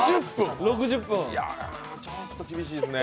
ちょっと厳しいっすね。